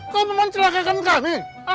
kau memang celaka kan kami